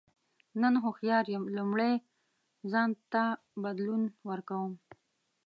نن هوښیار یم لومړی ځان ته بدلون ورکوم.